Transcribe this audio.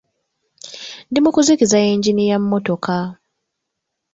Ndi mu kusikiza yingini ya mmotoka.